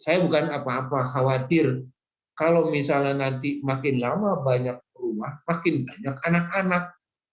saya bukan apa apa khawatir kalau misalnya nanti makin lama banyak rumah makin banyak anak anak